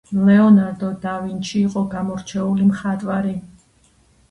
ლეონარდო დავინჩი იყო გამორჩეული მხატვარი